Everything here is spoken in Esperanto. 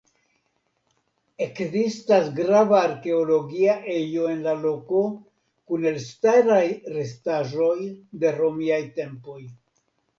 Ekzistas grava arkeologia ejo en la loko kun elstaraj restaĵoj de romiaj tempoj.